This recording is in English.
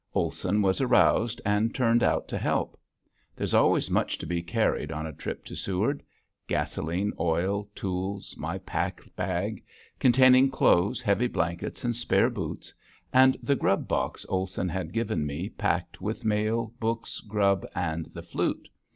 Olson was aroused and turned out to help. There's always much to be carried on a trip to Seward; gasoline, oil, tools, my pack bag containing clothes, heavy blankets, and spare boots, and the grub box Olson had given me packed with mail, books, grub, and the flute.